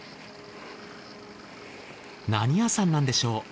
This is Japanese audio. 何屋さんなんでしょう。